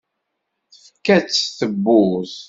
Tefka-t tebburt.